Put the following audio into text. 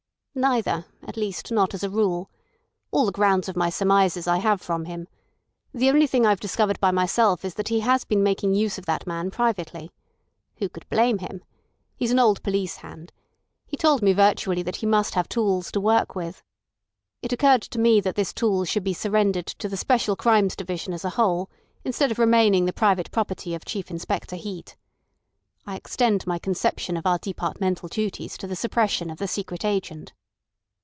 "Neither—at least not as a rule. All the grounds of my surmises I have from him. The only thing I've discovered by myself is that he has been making use of that man privately. Who could blame him? He's an old police hand. He told me virtually that he must have tools to work with. It occurred to me that this tool should be surrendered to the Special Crimes division as a whole, instead of remaining the private property of Chief Inspector Heat. I extend my conception of our departmental duties to the suppression of the secret agent.